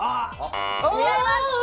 違います。